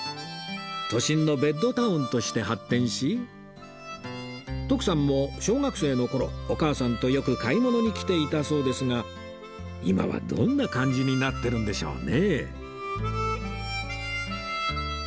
都心のベッドタウンとして発展し徳さんも小学生の頃お母さんとよく買い物に来ていたそうですが今はどんな感じになってるんでしょうね？